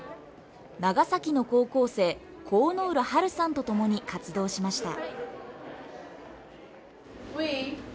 長崎の高校生・神浦はるさんと共に活動しました